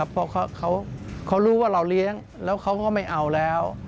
เพราะเขารู้ว่าเราเลี้ยงแล้วเขาก็ไม่เอาแล้ว